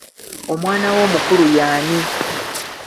Omwana wo omukulu y'ani?